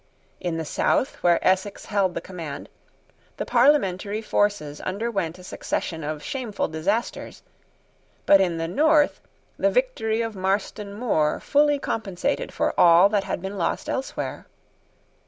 In the south, where Essex held the command, the parliamentary forces underwent a succession of shameful disasters; but in the north the victory of Marston Moor fully compensated for all that had been lost elsewhere.